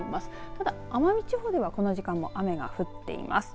ただ奄美地方ではこの時間も雨が降っています。